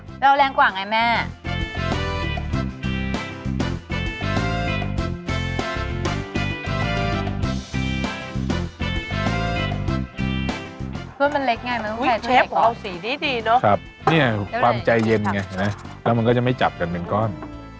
อุ้ยเชฟเอาสีดีเนอะครับเนี่ยความใจเย็นไงเห็นไหมแล้วมันก็จะไม่จับกันเป็นก้อน